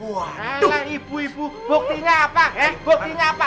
wah ibu ibu buktinya apa eh buktinya apa